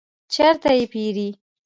چیرته یی پیرئ؟